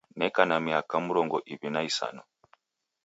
Neka na miaka mrongu iw'i na isanu